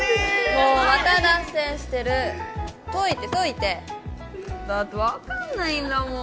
もうまた脱線してる解いて解いてだって分かんないんだもん